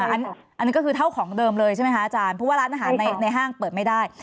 อันนี้ก็เท่าของเดิมเลยว่าร้านอาหารในห้างเปิดไม่ได้